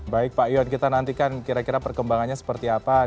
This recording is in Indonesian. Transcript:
baik pak ion kita nantikan kira kira perkembangannya seperti apa